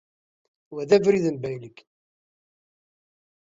Wa d abrid n baylek